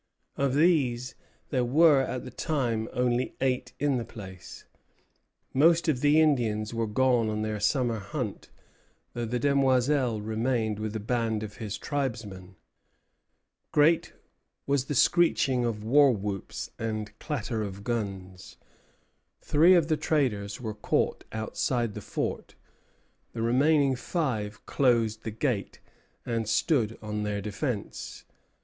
Of these there were at the time only eight in the place. Most of the Indians also were gone on their summer hunt, though the Demoiselle remained with a band of his tribesmen. Great was the screeching of war whoops and clatter of guns. Three of the traders were caught outside the fort. The remaining five closed the gate, and stood on their defence.